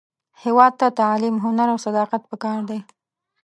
هیواد ته تعلیم، هنر، او صداقت پکار دی